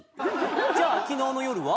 じゃあ昨日の夜は？